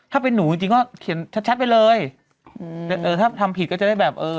ถ้าเป็นหนูจริงก็เขียนชัดไปเลยแต่ถ้ามพลิดก็จะได้แบบเออ